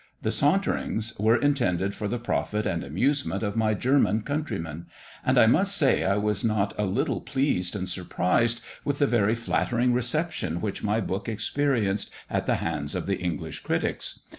The "SAUNTERINGS" were intended for the profit and amusement of my German countrymen; and I must say I was not a little pleased and surprised with the very flattering reception which my book experienced at the hands of the English critics.